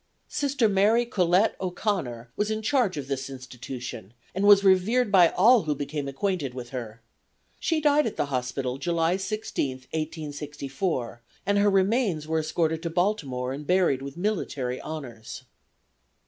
Sister M. Collette O'Connor was in charge of this institution, and was revered by all who became acquainted with her. She died at the hospital, July 16, 1864, and her remains were escorted to Baltimore and buried with military honors.